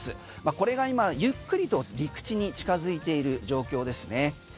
これが今ゆっくりと陸地に近づいている状況ですね。